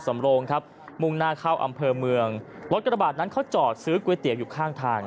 สำโลงครับวงหน้าเข้าอามเภอเมืองนั่นก็จอดซื้อก๋วยเตียบอยู่ข้างทาง